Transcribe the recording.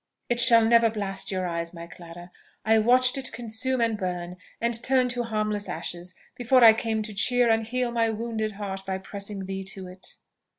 It shall never blast your eyes, my Clara! I watched it consume and burn, and turn to harmless ashes, before I came to cheer and heal my wounded heart by pressing thee to it!"